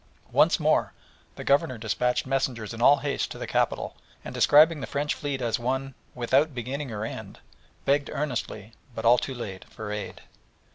Once more the Governor despatched messengers in all haste to the capital, and describing the French fleet as one "without beginning or end," begged earnestly, but all too late, for aid.